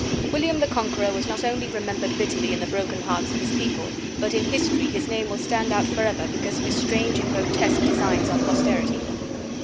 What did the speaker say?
] William the Conqueror was not only remembered bitterly in the broken hearts of his people, but in history his name will stand out forever because of his strange and grotesque designs on posterity.